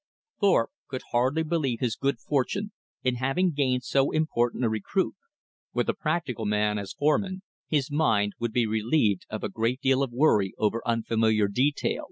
Thorpe could hardly believe his good fortune in having gained so important a recruit. With a practical man as foreman, his mind would be relieved of a great deal of worry over unfamiliar detail.